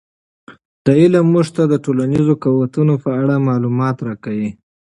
دا علم موږ ته د ټولنیزو قوتونو په اړه معلومات راکوي.